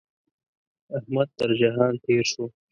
احمد تر جهان تېر شو.